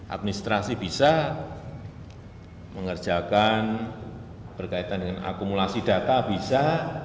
administrasi bisa mengerjakan berkaitan dengan akumulasi data bisa